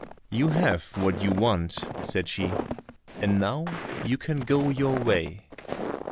"You have what you want," said she, "and now you can go your way."